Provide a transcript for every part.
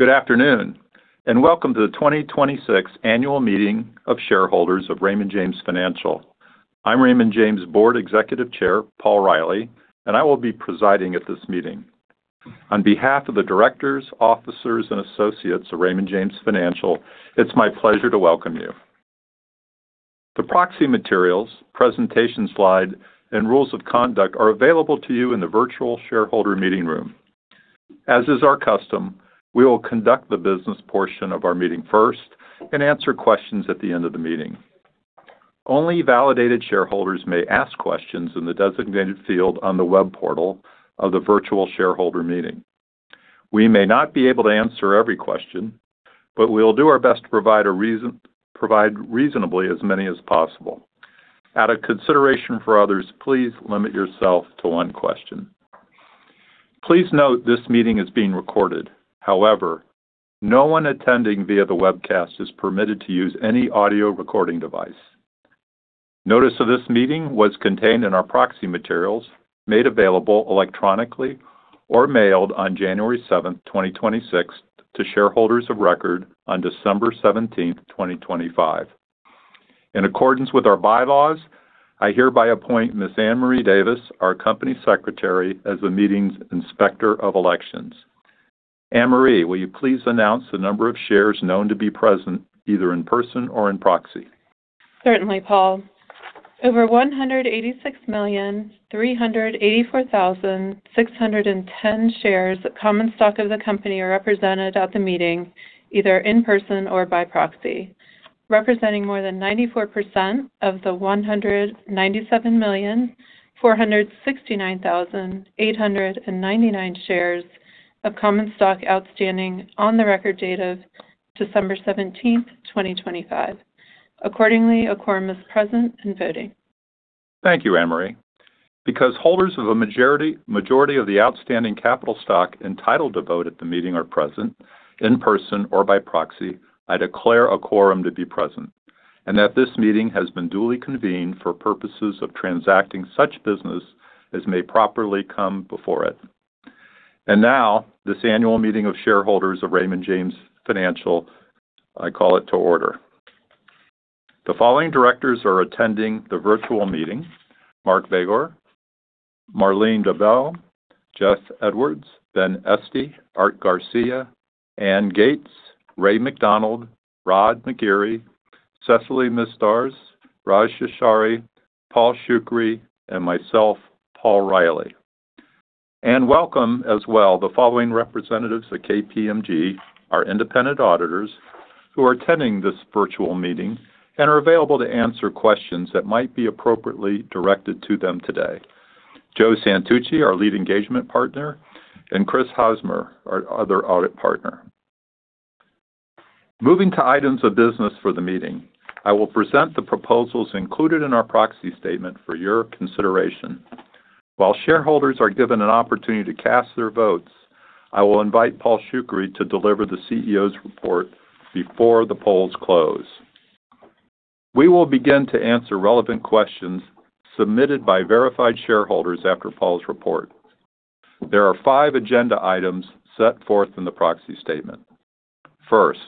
Good afternoon, and welcome to the 2026 Annual Meeting of Shareholders of Raymond James Financial. I'm Raymond James Board Executive Chair, Paul Reilly, and I will be presiding at this meeting. On behalf of the directors, officers, and associates of Raymond James Financial, it's my pleasure to welcome you. The proxy materials, presentation slide, and rules of conduct are available to you in the virtual shareholder meeting room. As is our custom, we will conduct the business portion of our meeting first and answer questions at the end of the meeting. Only validated shareholders may ask questions in the designated field on the web portal of the virtual shareholder meeting. We may not be able to answer every question, but we'll do our best to provide reasonably as many as possible. Out of consideration for others, please limit yourself to one question. Please note this meeting is being recorded. However, no one attending via the webcast is permitted to use any audio recording device. Notice of this meeting was contained in our proxy materials, made available electronically or mailed on January 7, 2026, to shareholders of record on December 17, 2025. In accordance with our bylaws, I hereby appoint Ms. AnnMarie Davis, our Company Secretary, as the meeting's Inspector of Elections. AnnMarie, will you please announce the number of shares known to be present, either in person or in proxy? Certainly, Paul. Over 186,384,610 shares of common stock of the company are represented at the meeting, either in person or by proxy, representing more than 94% of the 197,469,899 shares of common stock outstanding on the record date of December seventeenth, 2025. Accordingly, a quorum is present and voting. Thank you, AnnMarie. Because holders of a majority of the outstanding capital stock entitled to vote at the meeting are present, in person or by proxy, I declare a quorum to be present, and that this meeting has been duly convened for purposes of transacting such business as may properly come before it. And now, this Annual Meeting of Shareholders of Raymond James Financial, I call it to order. The following directors are attending the virtual meeting: Mark Begor, Marlene Debel, Jeff Edwards, Ben Esty, Art Garcia, Anne Gates, Ray McDaniel, Rod McGeary, Cecily Mistarz, Raj Seshadri, Paul Shoukry, and myself, Paul Reilly. And welcome as well, the following representatives of KPMG, our independent auditors, who are attending this virtual meeting and are available to answer questions that might be appropriately directed to them today. Joe Santucci, our Lead Engagement Partner, and Chris Hosmer, our other Audit Partner. Moving to items of business for the meeting, I will present the proposals included in our proxy statement for your consideration. While shareholders are given an opportunity to cast their votes, I will invite Paul Shoukry to deliver the CEO's report before the polls close. We will begin to answer relevant questions submitted by verified shareholders after Paul's report. There are 5 agenda items set forth in the proxy statement. First,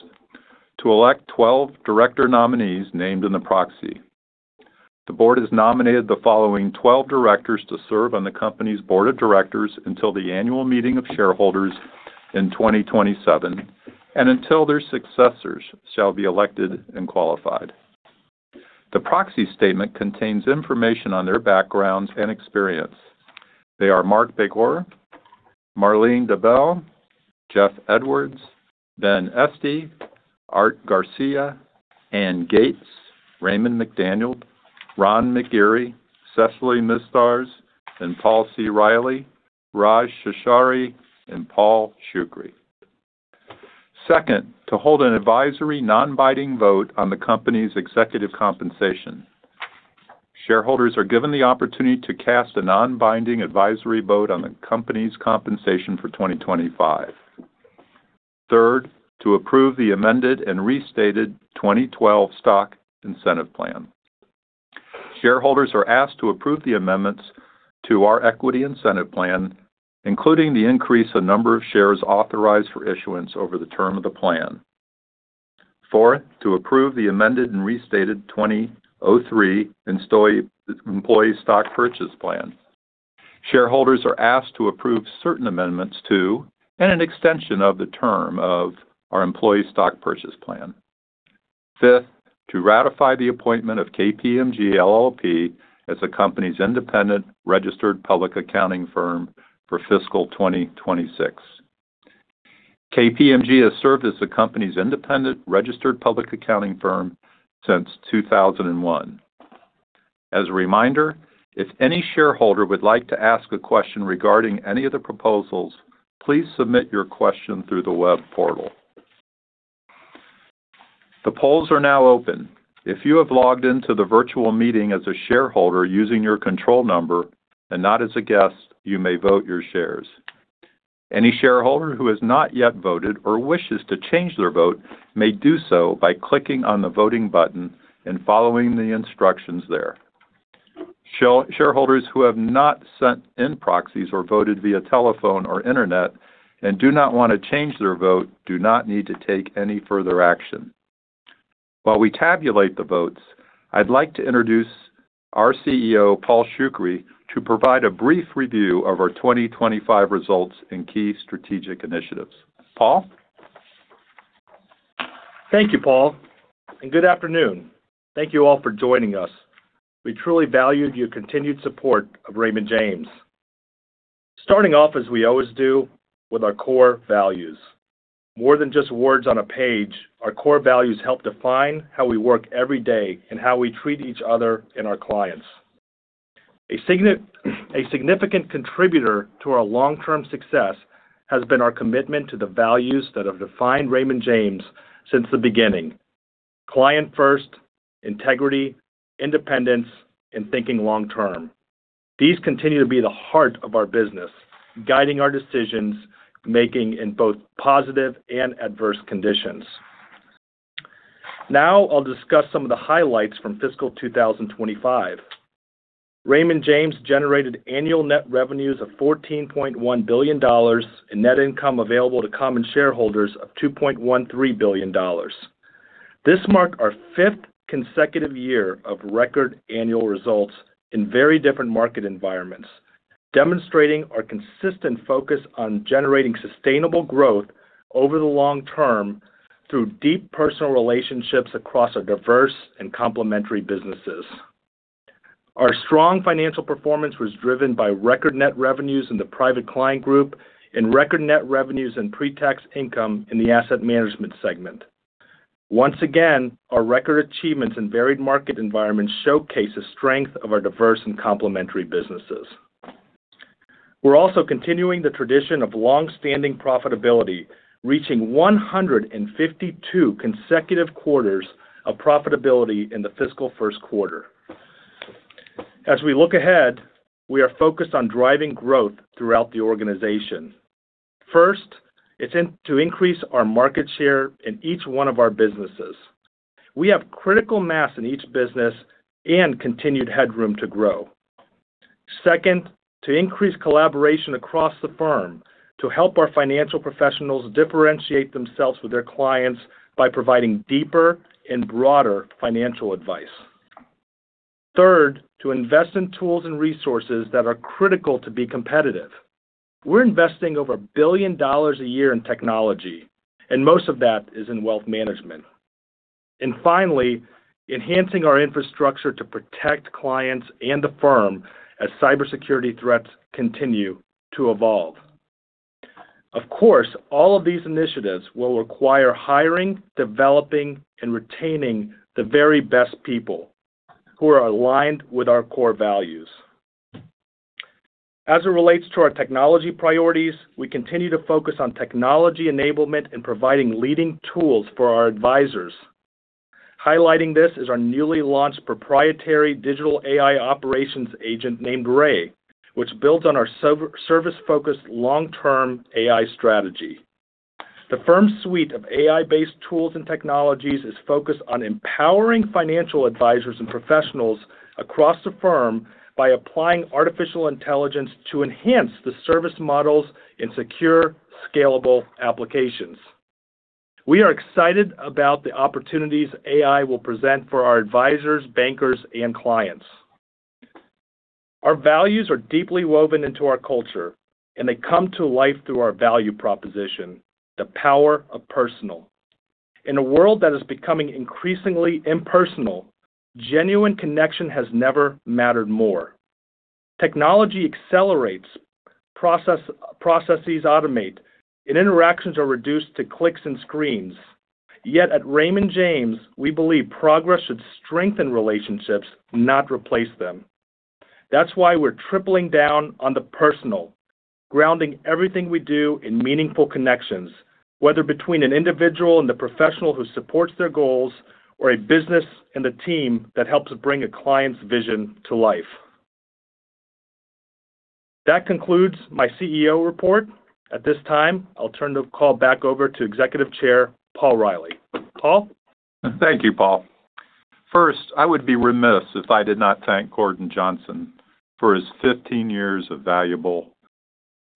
to elect 12 director nominees named in the proxy. The board has nominated the following 12 directors to serve on the company's Board of Directors until the annual meeting of shareholders in 2027 and until their successors shall be elected and qualified. The proxy statement contains information on their backgrounds and experience. They are Marc Bajer, Marlene Debel, Jeff Edwards, Ben Esty, Art Garcia, Anne Gates, Raymond McDaniel, Rod McGeary, Cecelia Stewart, and Paul C. tReilly, Raj Seshadri, and Paul Shoukry. Second, to hold an advisory, non-binding vote on the company's executive compensation. Shareholders are given the opportunity to cast a non-binding advisory vote on the company's compensation for 2025. Third, to approve the amended and restated 2012 Stock Incentive Plan. Shareholders are asked to approve the amendments to our equity incentive plan, including the increase of number of shares authorized for issuance over the term of the plan. Fourth, to approve the amended and restated 2003 Employee Stock Purchase Plan. Shareholders are asked to approve certain amendments to, and an extension of the term of our Employee Stock Purchase Plan. Fifth, to ratify the appointment of KPMG LLP as the company's independent registered public accounting firm for fiscal 2026. KPMG has served as the company's independent registered public accounting firm since 2001. As a reminder, if any shareholder would like to ask a question regarding any of the proposals, please submit your question through the web portal. The polls are now open. If you have logged into the virtual meeting as a shareholder using your control number and not as a guest, you may vote your shares. Any shareholder who has not yet voted or wishes to change their vote may do so by clicking on the voting button and following the instructions there... Shareholders who have not sent in proxies or voted via telephone or internet and do not want to change their vote, do not need to take any further action. While we tabulate the votes, I'd like to introduce our CEO, Paul Shoukry, to provide a brief review of our 2025 results and key strategic initiatives. Paul? Thank you, Paul, and good afternoon. Thank you all for joining us. We truly value your continued support of Raymond James. Starting off as we always do, with our core values. More than just words on a page, our core values help define how we work every day and how we treat each other and our clients. A significant contributor to our long-term success has been our commitment to the values that have defined Raymond James since the beginning: client first, integrity, independence, and thinking long term. These continue to be the heart of our business, guiding our decisions, making in both positive and adverse conditions. Now I'll discuss some of the highlights from fiscal 2025. Raymond James generated annual net revenues of $14.1 billion and net income available to common shareholders of $2.13 billion. This marked our fifth consecutive year of record annual results in very different market environments, demonstrating our consistent focus on generating sustainable growth over the long term through deep personal relationships across our diverse and complementary businesses. Our strong financial performance was driven by record net revenues in the Private Client Group and record net revenues and pre-tax income in the Asset Management segment. Once again, our record achievements in varied market environments showcase the strength of our diverse and complementary businesses. We're also continuing the tradition of long-standing profitability, reaching 152 consecutive quarters of profitability in the fiscal first quarter. As we look ahead, we are focused on driving growth throughout the organization. First, it's in to increase our market share in each one of our businesses. We have critical mass in each business and continued headroom to grow. Second, to increase collaboration across the firm to help our financial professionals differentiate themselves with their clients by providing deeper and broader financial advice. Third, to invest in tools and resources that are critical to be competitive. We're investing over $1 billion a year in technology, and most of that is in wealth management. And finally, enhancing our infrastructure to protect clients and the firm as cybersecurity threats continue to evolve. Of course, all of these initiatives will require hiring, developing, and retaining the very best people who are aligned with our core values. As it relates to our technology priorities, we continue to focus on technology enablement and providing leading tools for our advisors. Highlighting this is our newly launched proprietary digital AI operations agent named Rai, which builds on our service-focused, long-term AI strategy. The firm's suite of AI-based tools and technologies is focused on empowering financial advisors and professionals across the firm by applying artificial intelligence to enhance the service models in secure, scalable applications. We are excited about the opportunities AI will present for our advisors, bankers, and clients. Our values are deeply woven into our culture, and they come to life through our value proposition, the Power of Personal. In a world that is becoming increasingly impersonal, genuine connection has never mattered more. Technology accelerates, processes automate, and interactions are reduced to clicks and screens. Yet at Raymond James, we believe progress should strengthen relationships, not replace them. That's why we're tripling down on the personal, grounding everything we do in meaningful connections, whether between an individual and the professional who supports their goals, or a business and the team that helps bring a client's vision to life. That concludes my CEO report. At this time, I'll turn the call back over to Executive Chair, Paul Reilly. Paul? Thank you, Paul. First, I would be remiss if I did not thank Gordon Johnson for his 15 years of valuable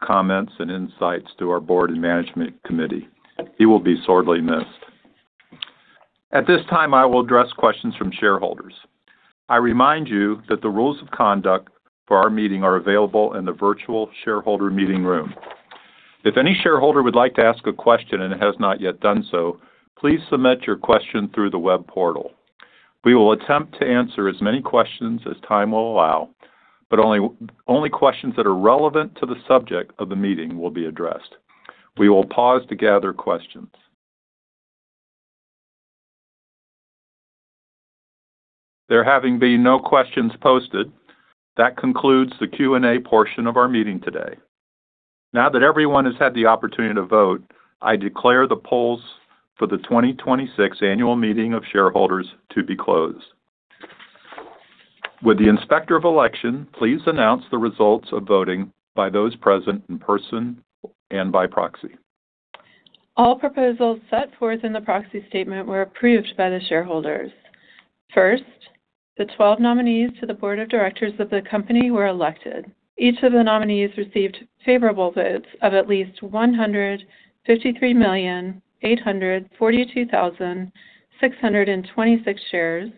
comments and insights to our board and management committee. He will be sorely missed. At this time, I will address questions from shareholders. I remind you that the rules of conduct for our meeting are available in the virtual shareholder meeting room. If any shareholder would like to ask a question and has not yet done so, please submit your question through the web portal. We will attempt to answer as many questions as time will allow, but only, only questions that are relevant to the subject of the meeting will be addressed. We will pause to gather questions. There having been no questions posted, that concludes the Q&A portion of our meeting today. Now that everyone has had the opportunity to vote, I declare the polls for the 2026 annual meeting of shareholders to be closed. Would the Inspector of Election please announce the results of voting by those present in person and by proxy? ...All proposals set forth in the proxy statement were approved by the shareholders. First, the twelve nominees to the Board of Directors of the company were elected. Each of the nominees received favorable votes of at least 153,842,626 shares,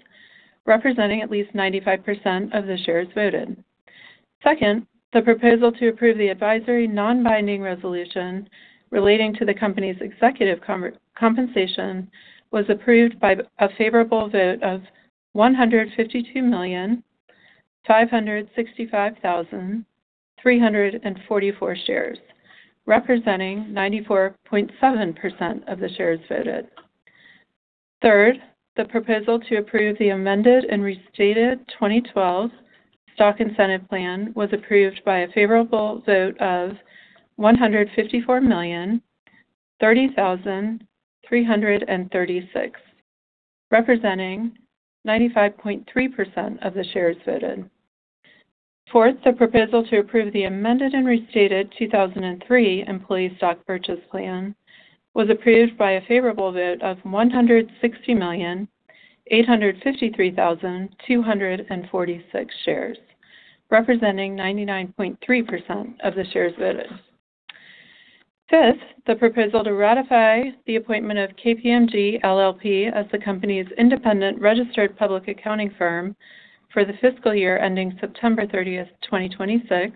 representing at least 95% of the shares voted. Second, the proposal to approve the advisory non-binding resolution relating to the company's executive compensation was approved by a favorable vote of 152,565,344 shares, representing 94.7% of the shares voted. Third, the proposal to approve the amended and restated 2012 stock incentive plan was approved by a favorable vote of 154,030,336, representing 95.3% of the shares voted. Fourth, the proposal to approve the amended and restated 2003 Employee Stock Purchase Plan was approved by a favorable vote of 160,853,246 shares, representing 99.3% of the shares voted. Fifth, the proposal to ratify the appointment of KPMG LLP as the company's independent registered public accounting firm for the fiscal year ending September 30, 2026,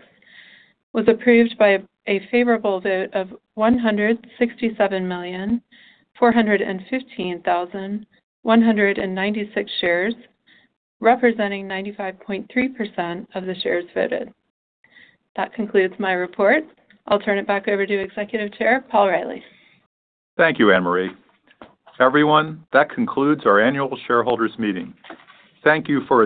was approved by a favorable vote of 167,415,196 shares, representing 95.3% of the shares voted. That concludes my report. I'll turn it back over to Executive Chair Paul Reilly. Thank you, AnnMarie. Everyone, that concludes our annual shareholders meeting. Thank you for-